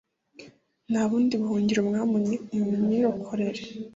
Nta bundi buhungiro, Mwami unyirokorere;